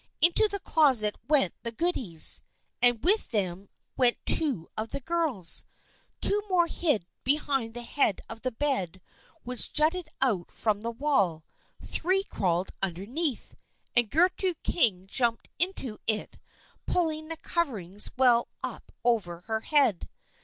Into the closet went the goodies, and with them went two of the girls. Two more hid behind the head of the bed which jutted out from the wall, three crawled underneath, and Gertrude King jumped into it pulling the coverings well up over her head.